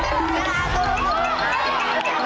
พร้อมแล้ว